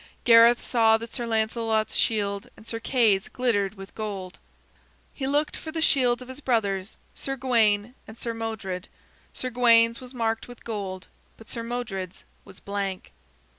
Gareth saw that Sir Lancelot's shield and Sir Kay's glittered with gold. He looked for the shields of his brothers, Sir Gawain and Sir Modred. Sir Gawain's was marked with gold, but Sir Modred's was blank.